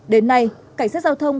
đến nay cảnh sát giao thông